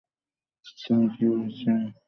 তুমি কি হারিয়ে গেছো, সোনামণি!